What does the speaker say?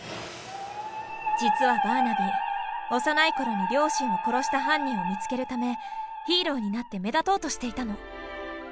実はバーナビー幼い頃に両親を殺した犯人を見つけるためヒーローになって目立とうとしていたの。